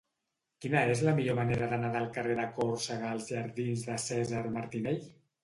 Quina és la millor manera d'anar del carrer de Còrsega als jardins de Cèsar Martinell?